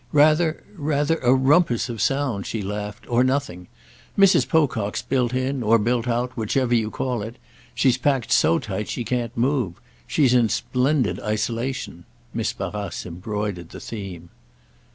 Rather, rather: a rumpus of sound," she laughed, "or nothing. Mrs. Pocock's built in, or built out—whichever you call it; she's packed so tight she can't move. She's in splendid isolation"—Miss Barrace embroidered the theme.